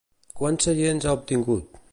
Quants seients ha obtingut?